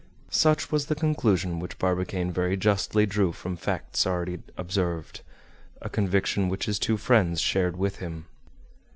Such was the conclusion which Barbicane very justly drew from facts already observed, a conviction which his two friends shared with him.